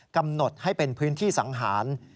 กำหนดให้เป็นพื้นที่สังหาร